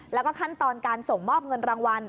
แล้วก็ขั้นตอนการส่งมอบเงินรางวัล